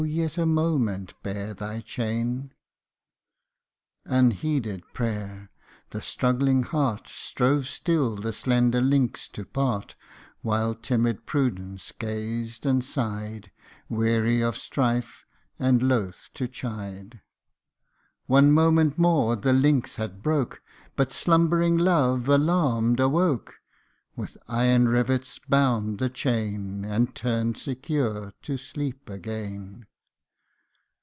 yet a moment bear thy chain !" Unheeded prayer ! the struggling heart Strove still the slender links to part, While timid Prudence gazed and sighed, Weary of strife, and loth to chide. One moment more the links had broke, But slumbering Love, alarmed, awoke ; With iron rivets bound the chain, And turned secure to sleep again.